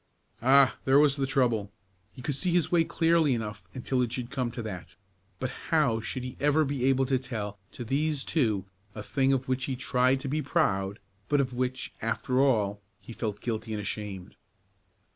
Ah, there was the trouble! he could see his way clearly enough until it should come to that; but how should he ever be able to tell to these two a thing of which he tried to be proud, but of which, after all, he felt guilty and ashamed?